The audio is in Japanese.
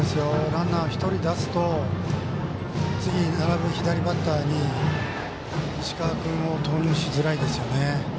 ランナー１人出すと次、並ぶ左バッターに石川君を投入しづらいですよね。